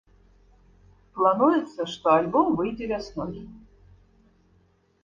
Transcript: Плануецца, што альбом выйдзе вясной.